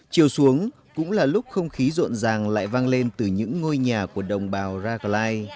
chiều xuống cũng là lúc không khí rộn ràng lại vang lên từ những ngôi nhà của đồng bào racklay